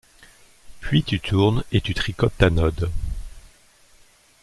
Puis tu tournes et tu tricotes ta node.